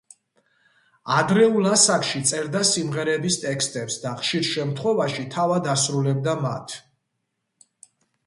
ადრეულ ასაკში წერდა სიმღერების ტექსტებს და ხშირ შემთხვევაში თავად ასრულებდა მათ.